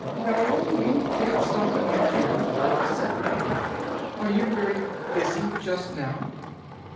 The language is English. "No; we can't stop it, I fear," said the man. "Are you very busy just now?"